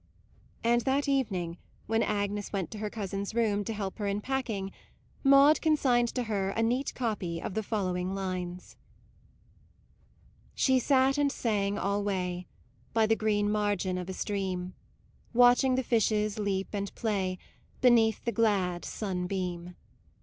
And that evening, when Agnes 40 MAUDE went to her cousin's room to help her in packing, Maude consigned to her a neat copy of the following lines : She sat and sang alway By the green margin of a stream, Watching the fishes leap and play Beneath the glad sunbeam.